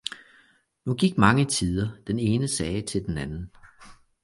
Nu gik mange tider, den ene sagde til den anden.